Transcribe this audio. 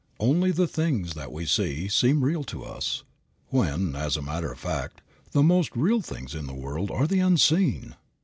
Only the things that we see seem real to us when, as a matter of fact, the most real things in the world are the unseen.